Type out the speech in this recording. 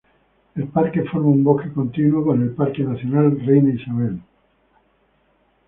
El parque forma un bosque continuo con el Parque nacional Reina Isabel.